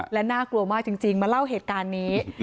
และน่ากลัวมากจริงมาเล่าเหตุการณ์นี้